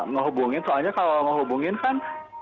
ngehubungin soalnya kalau ngehubungin kan